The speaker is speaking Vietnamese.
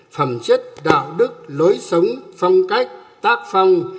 phẩm chất đạo đức lối sống phong cách tác phong